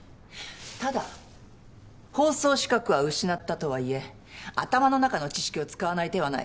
ただ法曹資格は失ったとはいえ頭の中の知識を使わない手はない。